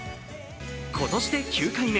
今年で９回目。